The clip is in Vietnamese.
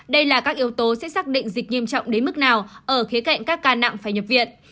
đây là các yếu tố sẽ xác định dịch nghiêm trọng đến mức nào ở khía cạnh các ca nặng phải nhập viện